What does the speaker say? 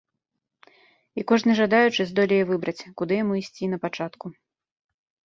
І кожны жадаючы здолее выбраць, куды яму ісці на пачатку.